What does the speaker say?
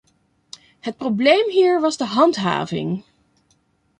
Het probleem hier was de handhaving.